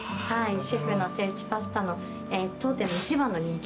シェフの手打ちパスタの当店の一番の人気に。